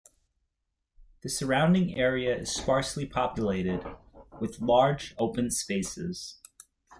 The surrounding area is sparsely populated, with large open spaces.